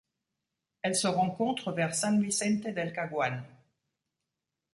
Elle se rencontre vers San Vicente del Caguán.